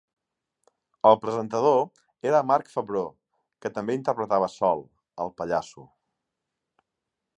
El presentador era Marc Favreau, que també interpretava Sol el pallasso.